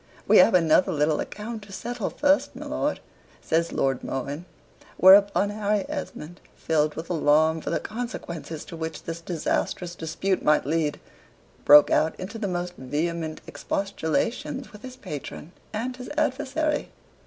"We have another little account to settle first, my lord," says Lord Mohun. Whereupon Harry Esmond, filled with alarm for the consequences to which this disastrous dispute might lead, broke out into the most vehement expostulations with his patron and his adversary.